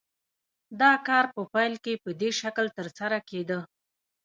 دا کار په پیل کې په دې شکل ترسره کېده